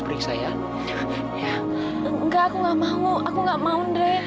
beriksa ya enggak aku nggak mau aku nggak mau drei